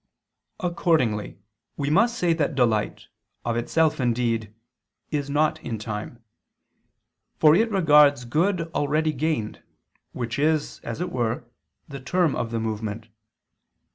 Accordingly, we must say that delight, of itself indeed, is not in time: for it regards good already gained, which is, as it were, the term of the movement.